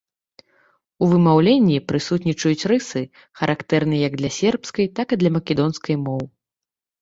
У вымаўленні прысутнічаюць рысы, характэрныя як для сербскай, так і македонскай моў.